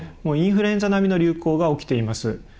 インフルエンザ並みの流行が起きています。